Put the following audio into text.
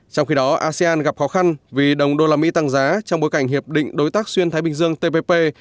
trong khi đó asean gặp khó khăn vì đồng đô la mỹ tăng giá trong bối cảnh hiệp định đối tác xuyên thái bình dương tpp